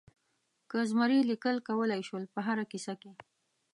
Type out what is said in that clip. که زمری لیکل کولای شول په هره کیسه کې.